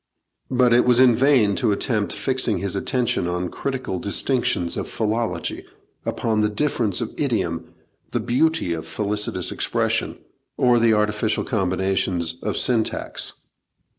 But it was in vain to attempt fixing his attention on critical distinctions of philology, upon the difference of idiom, the beauty of felicitous expression, or the artificial combinations of syntax.